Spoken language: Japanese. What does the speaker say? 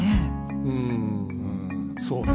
うんそうね